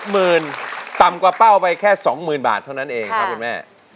หมื่นต่ำกว่าเป้าไปแค่๒๐๐๐บาทเท่านั้นเองครับคุณแม่